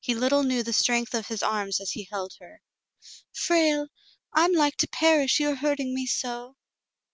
He little knew the strength of his arms as he held her. "Frale! I am like to perish, you are hurting me so."